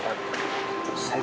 saya mau ambil kertas nabur